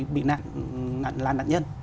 bị nạn là nạn nhân